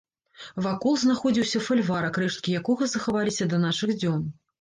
Вакол знаходзіўся фальварак, рэшткі якога захаваліся да нашых дзён.